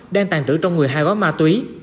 đang tàn trữ trong người hai gói ma túy